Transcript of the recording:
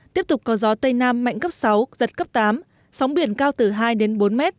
tiếp tục có gió tây nam mạnh cấp sáu giật cấp tám sóng biển cao từ hai đến bốn mét